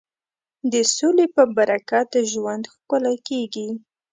د سولې په برکت ژوند ښکلی کېږي.